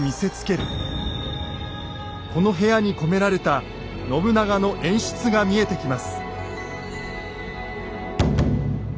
この部屋に込められた信長の演出が見えてきます。